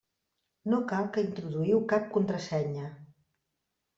No cal que introduïu cap contrasenya.